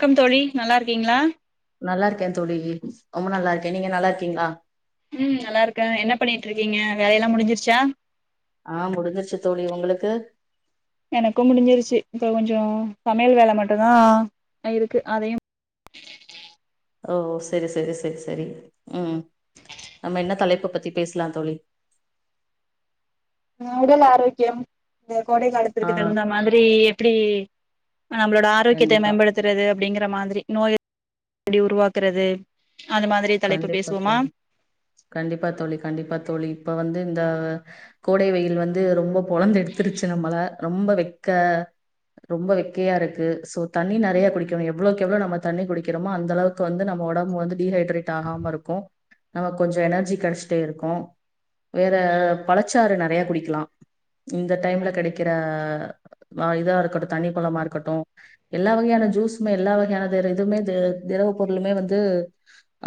வணக்கம் தோழி நல்லா இருக்கீங்களா? நல்லா இருக்கேன். தோழி ரொம்ப நல்லா இருக்கேன். நீங்க நல்லா இருக்கீங்களா? ம். நல்லா இருக்கேன் என்ன பண்ணிட்டு இருக்கீங்க வேலையெல்லாம் முடிஞ்சிருச்சா ஆ முடிஞ்சிருச்சு தோழி உங்களுக்கு எனக்கும் முடிஞ்சிருச்சு இப்ப கொஞ்சம் சமையல் வேல மட்டும்தான் இருக்கு அதையும் ஓ! சரி, சரி, சரி, சரி. ம். நம்ம என்ன தலைப்ப பத்தி பேசலாம் தோழி அ உடல் ஆரோக்கியம். இந்த கோடை ஆ காலத்துத்துக்குகுந்த மாரி எப்படி நம்மளோட ஆரோக்கியத்த கண்டிப்பா மேம்படுத்துறது. அப்படிங்கற மாதிரி, நோய் எப்படி உருவாக்குறது அந்த மாதிரி தலைப்பு கண்டிப்பா பேசுவோமா தோழி, கண்டிப்பா தோழி, கண்டிப்பா தோழி, இப்ப வந்து த கோடை வெயில் வந்து ரொம்ப பொழந்து எடுத்துருச்சு நம்மள. ரொம்ப வெக்க ரொம்ப வெக்கையா இருக்கு சோ தண்ணி நெறைய குடிக்கணும் எவ்வளோக்கு எவ்வளோ நம்ம தண்ணி குடிக்கிறோமோ அந்த அளவுக்கு வந்து நம்ம உடம்பு வந்து டீஹைட்ரேட் ஆகாம இருக்கும் நமக்கு கொஞ்சம் எனர்ஜி கிடைச்சிட்டே இருக்கும் வேற பழச்சாரு ந நெறையா குடிக்கலாம் இந்த டைம்ல கிடைக்கிற இதா இருக்கட்டும் தண்ணி பழமா இருக்கட்டும் எல்லா வகையான ஜூஸுமே எல்லா வகையான த இதுமே திரவ பொருளுமே வந்து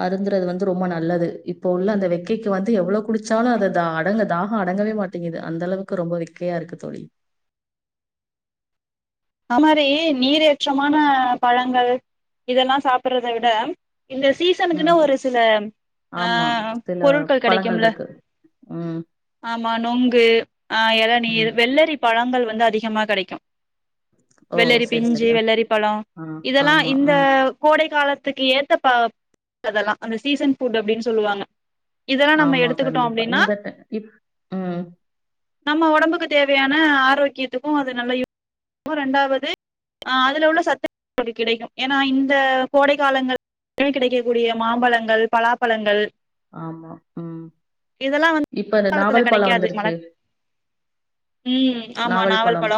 அருந்துறது வந்து ரொம்ப நல்லது இப்போ உள்ள அந்த வெக்கைக்கு வந்து எவ்வளவு குடிச்சாலும் அதை த அடங்க தாகம் அடங்கவே மாட்டேங்குது அந்த அளவுக்கு ரொம்ப வெக்கையா இருக்கு தோழி. அ மாரி நீரேற்றமான பழங்கள் இதெல்லா சாப்பிட்றத விட இந்த சீசனுக்குனு ம் ஒரு சில ஆமா ஆஹ் சில பொருட்கள் பழங்கள் கெடைக்கும்ல இருக்கு ம் ஆமா நொங்கு ஆஹ் ம் எளநீர் வெள்ளரி பழங்கள் வந் வந்து அதிகமா கெடைக்கு ஓ வெள்ளரி செரி பிஞ்சு செரி ஆ வெள்ளரி பழ ஆ இதெல்லா ஆமா இந்த ம் கோடை காலத்துக்கு ஏத்த ப அதெல்லா அந்த சீசன் ஃபுட் அப்டின் சொல்லுவாங்க இதெல்லா நம்ம ஆமா எடுத்துக்கிட்டோ கண்டிப்பா அப்டினா இந்த டை இப் ம் நம்ம ஒடம்புக்கு தேவையான் உம் ஆரோக்கியத்துக்கு அது நல்லா யூ கு ரெண்டாவது ஆஹ் அதுல உள்ள சத்துக் கொஞ்ச கிடைக்கு ஏனா இந்த கோடை காலங்கள கிடைக்கக்கூடிய மாம்பழங்கள் பலாப்பழங்கள் ஆமா உம் இதெல்லா வந்து இப்ப இந்த காலத்துல நாவல் பழ கெடைக்காது மழ வந்துருச்சு நாவல் பழம்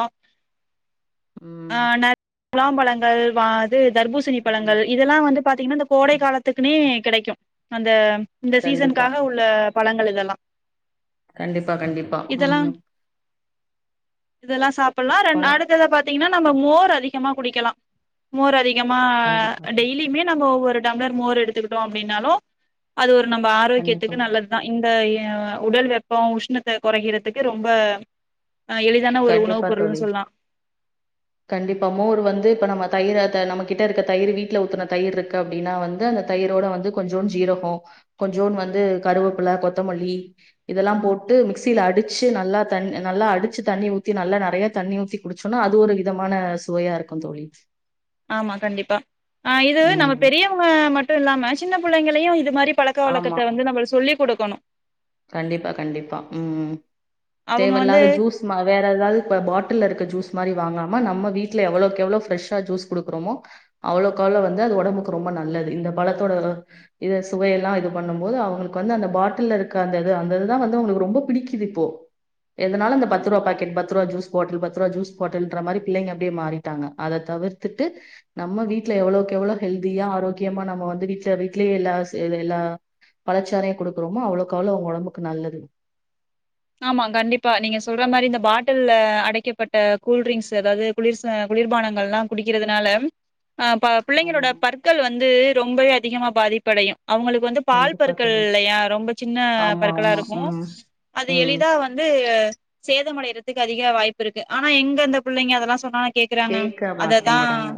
ம் ஆஹ் நா [inaudible] மாம்பழங்கள் வா து தர்பூசணி ஆமா பழங்கள் இதெல்லா வந்து பாத்தீங்கனா இந்த கோடை காலத்துக்குனே கிடைக்கு அந்த இந்த கண்டிப்பா சீசனுக்காக உள்ள பழங்கள் இதெல்லா கண்டிப்பா கண்டிப்பா இதெல்லா ம் இதெல்லா சாப்பிட்லா ரெண்டு பழ நாள் மத்தத பாத்தீங்னா நம்ம மோர் அதிகமா குடிக்கலா மோர் அதி யமா கண்டிப்பா தோழி டெய்லியுமே நம்ப ஒரு டம்ளர் மோர் எடுத்துக்கிட்டோ அப்டின்னாலு அது ஒரு நம்ப கண்டிப்பா ஆரோக்கியத்துக்கு நல்லதுதா இந்த எ ஆஹ் உடல் வெப்போ உஷ்ணத்த கொறைக்கிறத்துக்கு ரொம்ப ஆஹ் எளிதான ஒரு கண்டிப்பா உணவுப் தோழி பொருள்னு சொல்லா கண்டிப்பா மோர் வந்து இப்ப நம்ம தயிரா த நம்ம கிட்ட இருக்க தயிரு வீட்ல ஊத்துன தயிரு இருக்கு அப்டினா வந்து அந்த தயிரோட வந்து கொஞ்சோ ஜீரகோ கொஞ்சோன்னு வந்து கருவப்புல கொத்தமல்லி இதெல்லா போட்டு மிக்சில அடிச்சு நல்லா தண் நல்லா அடிச்சு தண்ணி ஊத்தி நல்லா நெறைய தண்ணி ஊத்தி குடிச்சோனா அது ஒரு விதமான சுவையா இருக்கு தோழி ஆமா கண்டிப்பா ஆஹ் இது நம்ம ம் பெரியவங்க மட் ட்டு இல்லாம சின்ன பிள்ளைங்களையு இது மாரி பழக்க ஆமா வழக்கத்த வந்து நம்ம சொல்லி குடுக் க்கணு கண்டிப்பா கண்டிப்பா உம் அவங்க வந்து தேவல்லாத ஜூஸ்னா வேற எதாவ்து இ பாட்டில்ல இருக்க ஜூஸ் மாரி வாங்காம நம்ம வீட்ல எவளோக்கெவ்ளோ ஃப்ரெஷா ஜூஸ் குடுக்குறோமோ அவளோக்கவ்ளோ வந்து அது ஒடம்புக்கு ரொம்ப நல்லது இந்த பழத்தோட அவ்ளோ இது சுவையெல்லா இது பண்ணும் போது அவ்ங்களுக்கு வந்து அந்த பாட்டில் இருக் க்க அந்த இது அந்த இது தா வந்து அவ்ங்களுக்கு ரொம்ப பிடிக்குது இப்போ எதனாலு அந்த பத்து ரூவா பாக்கெட் பத்து ரூவா ஜூஸ் பாட்டுல் பத்து ரூபா ஜூஸ் பாட்டுல்ற மாரி பிள்ளைங்க அப்டியே மாறிட்டாங்க அத தவிர்த்துட்டு நம்ம வீட்ல எவளோக்கெவ்ளோ ஹெல்தியா ஆரோக்கியமா நம்ம வந்து வீட்ல வீட்லயே எல்லா செய்ற எல்லா பழச்சாரயு குடுக்றோமோ அவ்ளோ க்கவ்ளோ ஒடம்புக்கு நல்லது ஆமா கண்டிப்பா நீங்க சொல்ற மாரி இந்த பாட்டில்ல அடைக்கப்பட்ட கூல்ட்ரிங்க்ஸ் அதாவ்து குளிர் சா குளிர்பானங்கள்லா குடிக்கிறதுனால ஆஹ் ப பிள்ளைங்களோட ஆமா பற்கள் வந்து ரொம்பவே அதிகமா பாதிப் அடையு அவுங்களுக்கு வந்து பால் கண்டிப்பா பற்கள் தோழி இல்லயா ரொம்ப சின்ன ஆமா பற்களா ஆமா இருக்கு ம் ம் எளிதா வந்து சேதம் அடைறதுக்கு அதிக வாய்ப்பு இருக்கு ஆனா எங் அந்த புள்ளைங்க அதலா சொன்னா கேக்குறாங்க கேக்க அததா மாட்டேங்கிறாங்க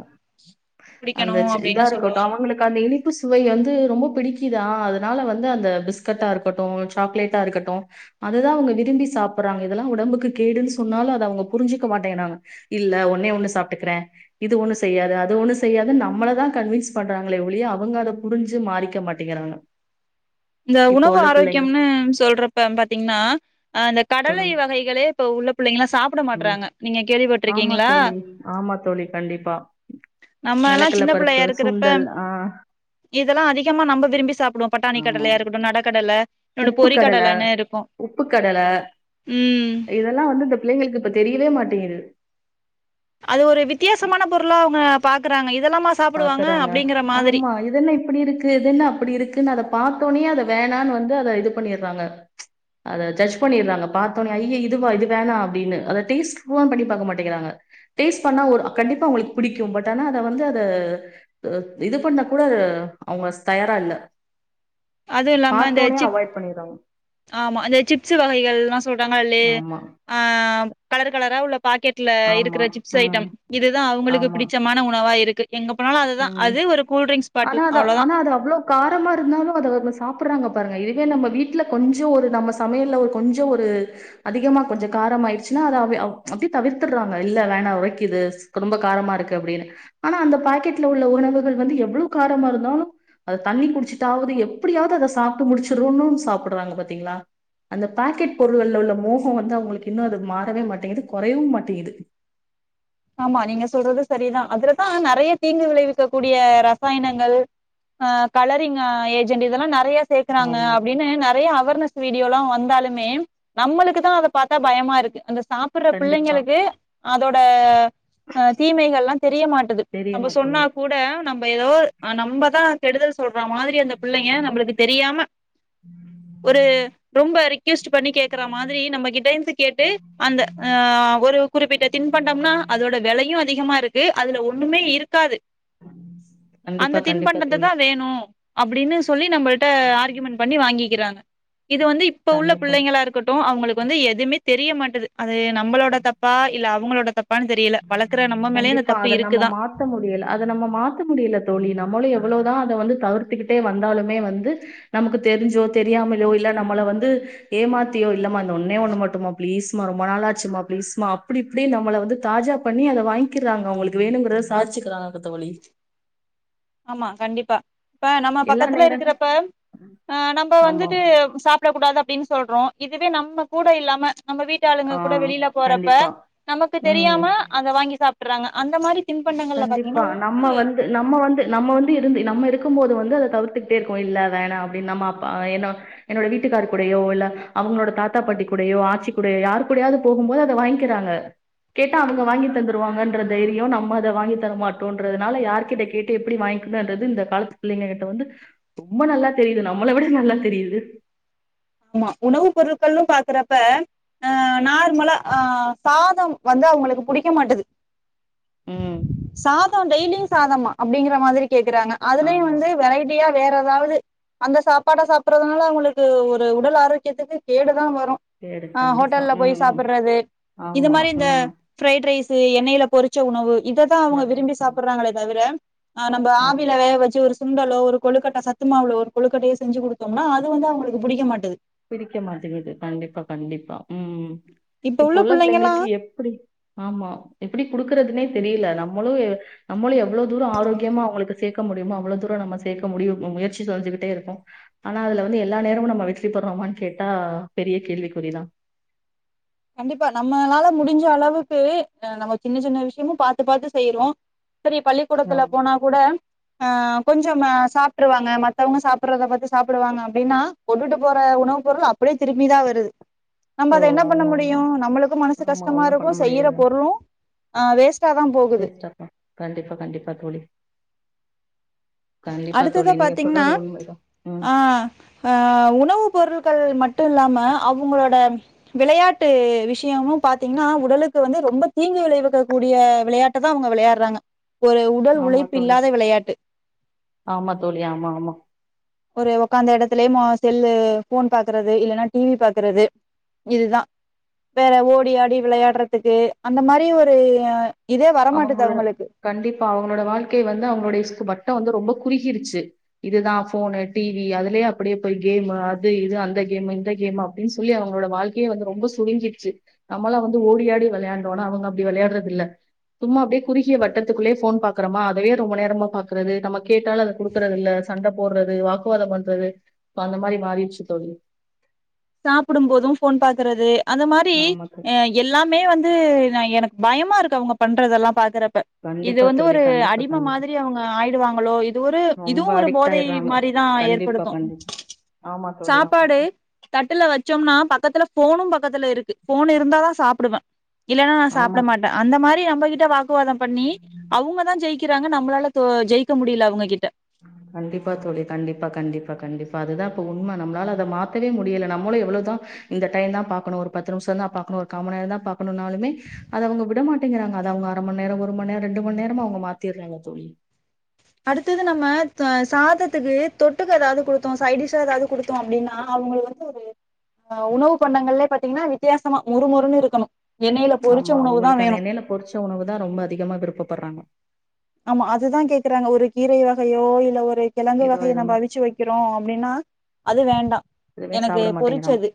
அந்த குடிக்கணு சி இதா அப்டின்னு இருக்கட்டு சொல்லுவாங்க அவங்ளுக்கு அந்த இனிப்பு சுவை வந்து ரொம்ப பிடிக்கித் ஆ அதுனால வந்து அந்த பிஸ்கட்டா இருக்கட்டு சாக்லேட்டா இருக்கட்டு அதுதா அவுங்க விரும்பி சாப்புறாங்க இதலா உடம்புக்கு கேடுன் சொன்னாலு அத அவுங்க புரிஞ்சிக்க மாட்டேங்றாங்க இல்ல ஒ ஒன்னே ஒன்னு சாப்ட்டுக்குற இது ஒன்னு செய்யாது அது ஒன்னு செய்யாது நம்மளதா கன்வின்ஸ் பண்றாங்களே ஒளிய அவுங்க அத புரிஞ்சு மாறிக்க மாட்டேங்கிறாங்க இந்த இப்போ உணவு உள்ள பிள்ளைங்க ஆரோக்யம்னு சொல்றப்ப பாத்தீங்ன்னா அ இந்த கடலை சொல்லுங்க வகைகளே போ உள்ள பிள்ளைங்ளா தாப்ட ம் மாட்றாங்க நீங்க ஆமா கேள்விப்பட்ருக்கீங்ளா தோழி ஆமா தோழி கண்டிப்பா நம்மலல்லா நிலக்கல்ல சின்ன பருப்பு புள்ளையா இருக்குறப்ப சுண்டல் ஆ இதலா அதிகமா நம்ப விரும்பி சாப்டுவோ பட்டாணி ஆமா கடலயா இருக்குட்டு நட கடல உப்பு கடல உப்பு கடல ம் இதல்லா வந்து இந்த பிள்ளைங்களுக்கு இப்ப தெரிவே மாட் தேரு அது ஒரு வித்தியாசமான பொருளா அவங்க பாக்குறாங்க இதெல்லாமா சாப்டுவாங்க பாக்குறாங்க அப்டிங்கிற மாதிரி ஆமா இதென்ன இப்பிடி இருக்கு இதென்ன அப்பிடி இருக்குன் அத பாத்தோனய அத வேணானு வந்து அத இது பண்ணிர்றாங்க அத ஜட்ஜ் பண்ணிர்றாங்க பாத்தோனய ஐயயோ இதுவா இது வேணா அப்டினு அத டேஸ்ட் கூவ பண்ணி பாக்க மாட்டேங்கிறாங்க டேஸ்ட் பண்ணா ஒ கண்டிப்பா அவங்களுக்கு புடிக்கு பட் ஆனா அத வந்து அ அ இது பண்ண கூட அவங்க தயாரா இல்ல அதுவு இல்லாம இந்த சிப் பாத்தோனயே அவாய்ட் பண்ணிர்றாங் ஆமா இந்த சிப்ஸு வகைகள்லா சொல்றாங்கல்ல லே ஆமா ஆ கலர் கலரா உள்ள பாக்கெட்ல ஆமா இருக்கிற சிப்ஸ் ம் ஐட்டம் இதுதா அவங்களுக்கு ஆமா பிடிச்சமான உணவா இருக்கு எங்க போனாலு அதுதா ம் அது ஒரு கூல்ட்ரிங்க்ஸ் ஆனா பாட்டில் அத அவ்ளோதா ஆனா அது அவ்ளோ காரமா இருந்தாலு அத அவங்க சாப்பர்றாங்க பாருங்க இதுவே நம்ம வீட்ல கொஞ்ச ஒரு நம்ம சமையல்ல ஒரு கொஞ்ச ஒரு அதிகமா கொஞ்ச காரம் ஆயிருச்சுனா அத அவ அப்டியே தவிர்த்தர்றாங்க இல்ல வேணா ஒரைக்கிது ரொம்ப காரமா இருக்கு அப்டினு ஆனா அந்த பாக் கெட்ல உள்ள உணவுகள் வந்து எவ்வளவு காரமா இருந்தாலு அத தண்ணி குடிச்சிட்டாவது எப்புடியாவுது அத சாப்ட்டு முடிச்சரனுன்னு சாப்படுறாங்க பாத்திங்ளா அந்த பாக்கெட் பொருளுல உள்ள மோக வந்து அவங்களுக்கு இன்னு அது மாறவே மாட்டேங்குது கொறையவு மாட்டேங்குது ஆமா நீங்க சொல்றது சரிதா அதுலதா நெறைய தீங்கு விளைவிக்கக்க கூடிய ரசாயனங்கள் அ கலரிங் ஏஜெண்ட் இதெல்லா நெறைய சேக்கறாங்க ஆமா. அப்டின்னு நெறைய அவேர்னஸ் வீடியோ லா வந்தாலுமே நம்மளுக்குதா அத பாத்தா பயமா இருக்கு அந்த சாப்படுற கண்டிப்பா. பிள்ளைங்களுக்கு அதோட ஆ தீமைகள்லா தெரிய மாட்டுது தெரிய நம்ம மாட்டேங்குது. சொன்னாக் கூட நம் ப ஏதோ அ நம்பதா கெடுதல் சொல் றா மாதிரி அந்த புள்ளைங்க நம்மளுக்கு தெரியாம ஒரு ரொம்ப ரிக் க்யொஸ்ட் பண்ணி கேக்குற மாதிரி நம்ம கிட்டேந்து கேட்டு அந்த ஆ ஒரு குறிப்பிட்ட தின் பண்டம்னா அதோட விலையு அதிகமாருக்கு அதுல ஒண்ணுமே இருக்காது கண்டிப்பா, அந்த கண்டிப்பா தின்பண்டத்தத் தோழி. தா வேணு அப்டின்னு சொல்லி நம்மள்ட்ட ஆர்கயுமெண்ட் பண்ணி வாங்கிக்கிறாங்க இது வந்து இப்ப உள்ள கண்டிப்பா. புள்ளைங்களா இருக்கட்டு அவுங்களுக்கு வந்து எதையுமே தெரிய மாட்டுது அது நம்மளோட தப்பா இல்ல அவுங்களோட தப்பா கண்டிப்பா அத நம்ம மாத்த முடியல அத நம்ம மாத்த முடியல தோழி நம்மளு எவ்ளோ ப்பு தா அத வந்து தவிர்த்துக்கிட்டே வந்தாலுமே வந்து நமக்கு தெரிஞ்சோ தெரியாமலையோ இல்ல நம்மள வந்து ஏமாத்தியோ இல்லாமா இந்த ஒன்னே ஒண்ணு மட்டுமா பிளீஸ்மா ரொம்ப நாளா ச்சுமா பீளீஸ்மா அப்டி இப்டி நம்மள வந்து தாஜா பண்ணி அத வாங்கிக்கறாங்க அவுங்களுக்கு வேணுங்கறத சாதிச்சுக்கிறாங்க தோழி ஆமா கண்டிப்பா இப்ப நம்ம எல்லா பக்கத்துல நேரம் இருக்கறப்ப அ நம்ம ஆமா. வந்துட்டு சாப்டக்கூடாது அப்டின்னு சொல்றோ இதுவே நம்ம கூட இல்லாம நம்ம வீட்டாளுங்க ஆ கூட வெளியில போறப்ப கண்டிப்பா. நமக்கு ம். தெரியாம அத வாங்கி சாப் பறாங்க அந்த மாரி தின்பண்டங்கள்ல பாத்தீங்கன்னா கண்டிப்பா நம்ம வந்து நம்ம வந்து நம்ம வந்து த்து இருந்து நம்ம இருக்கும்போது வந்து அத தவுத்துக்கிட்டேருக்கு இல்லவேணா அப்டின்னு ஆமா பா என்னோட வீட்டுக்கார் கூடையோ இல்ல அவுங்களோட தாத்தா பாட்டி கூடையோ ஆட்சி கூடையோ யார் கூடையாவது போகும்போது அத வாயிங்காறாங்க கேட்டா ‌ அவுங்க வாங்கிதந்துடுவாங்க என்கற தைரியோ நம்மக்கு த்த அத வாங்கி தரமாட்டோன்றதுனால யாரரு்கிட்ட கேட்டு எப்டி வாங்கிக்கணுன்றது இந்த காலத்து புள்ளைங்க கிட்ட வந்து ரொம்ப நல்லா தெரியுது நம்மள விட நல்லா தெரியுது ஆமா உணவு பொருட்கள்ளு பாக்கறப்ப ஆ நார்மலா ஆ சாதம் வந்து அவுங்களுக்கு புடிக்க மாட்டது ம். சாப் [unintelligible] டெய்லியு சாதமா அப்டிங்கிற மாதிரி கேக்கறாங்க அதுலேயு ஆமா. வந்து வெரைட்டியா வேற ஏதாவது அந்த சாப்பாடை சாப்டுறதுனால அவுங்களுக்கு ஒரு உடல் ஆரோக்கியத்துக்கு கேடு தா வருது ன்னு சரி ஆ கண்டிப்பா. ஹோட்டல்ல போய் ம், ம். சாப்புடறது இது ஆமா. மாதிரி இந்த ம். ஃப்ரைட் ரைஸ் எண்ணெயில பொறிச்ச உணவு இததா அவுங்க விரும்பி உணர்ச்சி. சாப்புடுறாங்களே தவிர அ நம்ம ஆமா. ஆவில வேக வெச்சு ஒரு சுண்டல ஒரு கொழுக்கட்ட சத்துமாவுல ஒரு கொழுக்கட்டையோ செஞ்சு கொடுத்தோம்னா அது வந்து அவுங்களுக்கு புடிக்க மாட்டது பிடிக்க மாட்டேங்குது கண்டிப்பா கண்டிப்பா ம் இப்ப இப்போ உள்ள புள்ளைங்கல்லா புள்ளைங்களுக்கு எப்புடி ஆமா எப்டி குடுக்கறதுனே தெரியல நம்மளும் நம்மளும் எவ்வளோ தரம் ஆரோக்கியமா அவங்களுக்கு சேர்க்க முடியமோ அவ்வளோ தூரம் நம்ம சே்க முடியு முயற்சி செஞ்சுக்கிட்டே இருக்கு ஆனா அது வந்து எல்லா நேரமு நம்ம ப்பர்றமான்னு கேட்டா பெரிய கேள்விக்குறிதா கண்டிப்பா நம்மளால முடிஞ்ச அளவுக்கு நம்ம சின்ன சின்ன விஷ்யமு பாத்து பாத்து செய்யறோ சரி பள்ளிக்கூடத்துல ஆமா போனா கூட ஆ கொஞ்சோ சாப்ட்ருவாங்க மத்தவங்க சாப்புறத பத்தி சாப்புடுவாங்க அப்டின்னா கொண்டுட்டு போற உணவு பொருள் அப்டியே திரும்பிதா வருது நம்ம ஓ அத என்ன பண்ண ஆமா ஆமா முடியு நம்மளுக்கு மனசு ஆமா ஒண்ணும் கஷ்டமாருக்கு பண்ண செய்யற முடியாது பொருளு அ வேஸ்டாதா போகுது வேஸ்டா தான் கண்டிப்பா கண்டிப்பா தோழி கண்டிப்பா அடுத்ததா தோழி நீங்க பாத்திங்னா சொல்றது உண்மைதான் ம் ஆஹ் ஆ உணவு பொருள்கள் மட் டு இல்லாம அவங்ளோட விளையாட்டு விஷயமு பா்த்திங்னா உடலுக்கு வந்து ரொம்ப தீங்கு விளைவிக்க கூடிய விளையாட்ட தா அவங்க விளையாட்றாங்க ஒரு உடல் ஆமா உழைப்பு தோழி இல்லாத விளையாட்டு ஆமா தோழி ஆமா ஆமா ஒரு உக்கார்ந்த இடத்துலயே செல்லு போன் பாக்குறது இல்லைன்னா டிவி பாக்குறது இதுதான் வேற ஓடி ஆடி விளையாடுறதுக்கு அந்த மாரி ஒரு இதே வரமாட்டுது அவங்களோட அவங்களுக்கு. கண்டிப்பா அவங்களோட வாழ்க்கை வந்து அவங்களோட [unintelligible] பட்டம் வந்து ரொம்ப குறுகிருச்சு இதுதான் போனு டிவி அதுலயே அப்படியே போய் கேமு அது இது அந்த கேமு இந்த கேமு அப்படின்னு சொல்லி அவங்களோட வாழ்க்கையே வந்து ரொம்ப சுரிங்கிசிருச்சு நம்மளாம் வந்து ஓடியாடி விளையாந்டோம் ஆனா அவங்க அப்டி விளையாடுறது இல்ல சும்மா அப்டியே குறுகிய வட்டத்துக்குள்ளே போன் பாக்குறமா அதவே ரொம்ப நேரமா பாக்குறது நம்ம கேட்டால் அது குடுக்குறது இல்ல சண்ட போடுறது வாக்குவாதம் பண்றது இ அந்த மாரி மாறிடுச்சு தோழி சாப்பிடும் போதும் போன் பாக்குறது அந்த மாரி ஆமா தோழி. எல்லாமே வந்து எனக்கு பயமா இருக்கு அவங்க பண்றதெல்லாம் பாக்குற ப்ப இது கண்டிப்பா வந்து தோழி. ஒரு கண்டிப்பா, அடிம கண்டிப்பா. மாதிரி அவங்க ஆயிடுவாங்களோ இது ஒரு ரொம்ப இதுவும் ஒரு அடிக்ட் போதை ஆயிடுறாங்க. மாரிதான் கண்டிப்பா, ஏற்படுத்தும் கண்டிப்பா. ஆமா தோழி. ஆமா, சாப்பாடு ஆமா. தட்டுல வச்சோம்னா பக்கத்துல ஃபோனும் பக்கத்துல இருக்கு ஃபோன் இருந்தாதான் சாப்பிடுவேன் இல்ன்னா நான் சாப்ட ஆமா மாட்டேன் அந்த மாரி ரி நம்மகிட்ட வாக்குவாதம் பண்ணி அவங்க தான் ஜெயிக்கிறாங்க நம்மளால தோ ஜெயிக்க முடில அவங்ககிட்ட கண்டிப்பா தோழி கண்டிப்பா கண்டிப்பா கண்டிப்பா அதுதான் இப்ப உண்ம நம்மளால அதை மாத்தவே முடியல நம்மளும் எவ்வளதான் இந்த டைம் தான் பாக்கணும் ஒரு பத்து நிமிஷம் தான் பாக்கணும் ஒரு காம நேரம் தான் பாக்கணும்ன்னாலுமே அத அவங்க விட மாட்டேங்கிறாங்க அத அவங்க அறமண் நேரம் ஒரு மண்நேரம் ரெண்டு மன்நேரமா அவங்க மாத்திடுறாங்க தோழி அடுத்தது நம்ம சாதத்துக்கு தொட்டுக்கு எதாவது குடுத்தோம் சைட்டிஷ்ஷா ஏதாவது குடுத்தோம் அப்டின்னா அவங்களுக்கு வந்து ஒரு ஆஹ் உணவு பண்டங்கள்லே பாத்தீங்கன்னா வித்தியாசமா முறுமுறுன்னு இருக்கணும் ஆமா அவங்களுக்கு அந்த எண்ணெய்ல பொரிச்ச உணவு தான் ரொம்ப அதிகமா விருப்பப்படுறாங்க ஆமா அதுதான் கேக்குறாங்க ஒரு கீரை வகையோ இல்ல ஒரு கிழங்கு இதோ வகைய நம்ப எதுவுமே அவிச்சு வைக்கிறோம் அப்படின்னா அது வேண்டா எதுவுமே எனக்கு சாப்ட மாட்டேங்கிறாங்க பொரிச்சது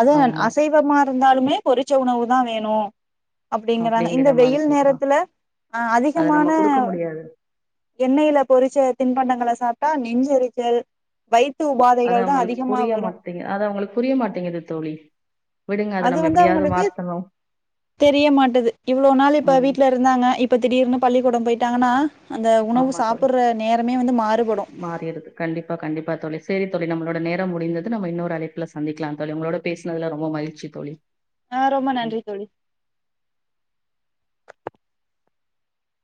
அது ஆமா அசைவமா இருந்தாலுமே பொரிச்ச உணவு தா வேணு அப்டிங்கறாங்க இந்த அப்டிங்கிற மாரி வெயில் கேக்குறாங்க நேரத்துல அஹ் அதி ப அத நம்ம நானு குடுக்க முடியாது எண்ணெய்ல பொரிச்ச தின்ப ண்டங்கள சாப்ட்டா நெஞ்செரிச்சல் வயி அத அவங்களுக்கு புரிய மாட்டிங்கு அத அவங்களுக்கு புரிய மாட்டிங்குது தோழி விடுங்க அத அது நம்ம வந்து எப்டியாவது அவங்களுக்கு மாத்தணு தெரிய மாட்டுது இவ்ளோ நாளு இப்ப ம் வீட்ல இருந்தாங்க இப்ப திடீர்னு பள்ளிக்கூடம் போய்ட்டாங்கனா ஆமா தோழி மாறுபடு மாறிருது கண்டிப்பா கண்டிப்பா தோழி சேரி தோழி நம்மளோட நேரோ முடிந்தது நம்ம இன்னோர் அழைப்புல சந்திக்கலா தோழி உங்களோட பேஸ்னதுல ரொம்ப மகிழ்ச்சி தோழி ஆஹ் ரொம்ப நன்றி தோழி